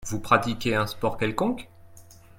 Vous pratiquez un sport quelconque ?